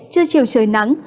chưa chiều trời nắng